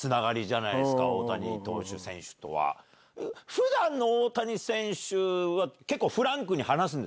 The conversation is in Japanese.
普段の大谷選手は。